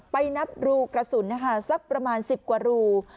ไปนับรูกระสุนนะคะสักประมาณ๑๐กว่ารู